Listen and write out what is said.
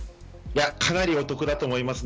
かなりお得だと思います。